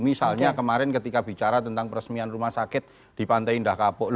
misalnya kemarin ketika bicara tentang peresmian rumah sakit di pantai indah kapuk